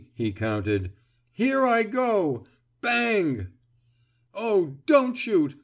he counted. "Here I go! Bang!" "Oh, don't shoot!